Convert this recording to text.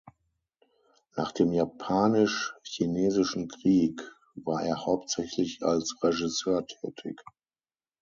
Nach dem Japanisch-Chinesischen Krieg war er hauptsächlich als Regisseur tätig.